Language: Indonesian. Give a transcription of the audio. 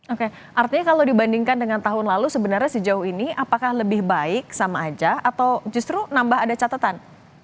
oke artinya kalau dibandingkan dengan tahun lalu sebenarnya sejauh ini apakah lebih baik sama aja atau justru nambah ada catatan